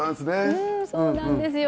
うんそうなんですよ。